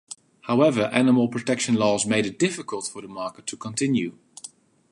However animal protection laws made it difficult for the market to continue.